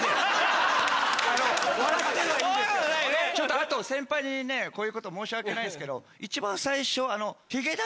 あと先輩にこういうこと申し訳ないですけど。